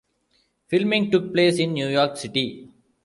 Filming took place in New York City.